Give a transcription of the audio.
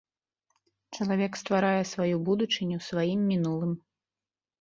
Чалавек стварае сваю будучыню сваім мінулым.